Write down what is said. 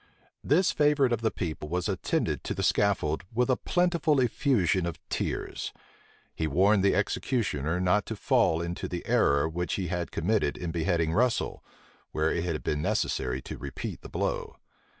This favorite of the people was attended to the scaffold with a plentiful effusion of tears. He warned the executioner not to fall into the error which he had committed in beheading Russel, where it had been necessary to repeat the blow.